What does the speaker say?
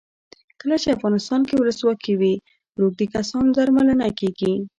کله چې افغانستان کې ولسواکي وي روږدي کسان درملنه کیږي.